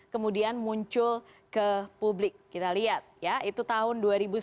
kemudian muncul ke publik kita lihat ya itu tahun dua ribu sembilan belas